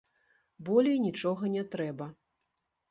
Болей нічога не трэба.